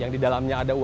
yang terima kasih